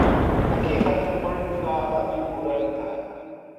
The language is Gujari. لَکھی ختم پڑھن کا ادمی پُورا نیہہ تھا